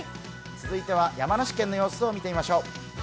続いては山梨県の様子を見てみましょう。